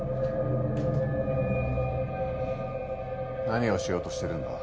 何をしようとしてるんだ？